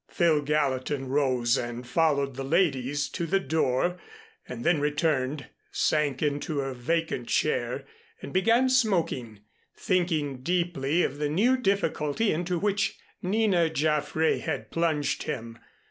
Phil Gallatin rose and followed the ladies to the door and then returned, sank into a vacant chair and began smoking, thinking deeply of the new difficulty into which Nina Jaffray had plunged him.